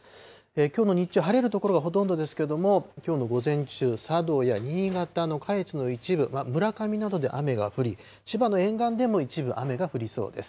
きょうの日中、晴れる所がほとんどですけども、きょうの午前中、佐渡や新潟の下越の一部、村上などで雨が降り、千葉の沿岸でも一部雨が降りそうです。